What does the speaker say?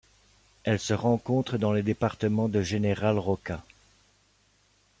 Elle se rencontre dans le département de General Roca.